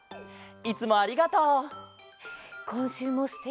いつもありがとう！